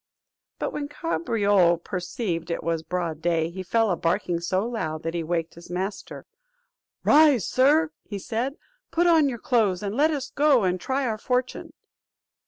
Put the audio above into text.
But when Cabriole perceived it was broad day, he fell a barking so loud that he waked his master. "Rise, sir," said he, "put on your clothes, and let us go and try our fortune."